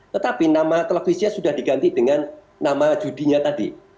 tetapi nama televisinya sudah diganti dengan nama judinya tadi